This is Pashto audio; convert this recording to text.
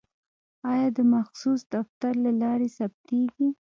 یا د مخصوص دفتر له لارې ثبتیږي.